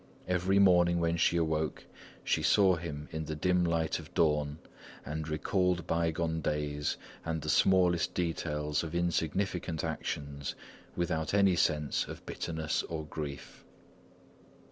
Every morning when she awoke, she saw him in the dim light of dawn and recalled bygone days and the smallest details of insignificant actions, without any sense of bitterness or grief.